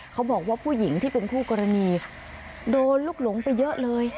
เขาบอกว่าผู้หญิงที่เป็นคู่กรณีโดนลุกหลงไปเยอะเลย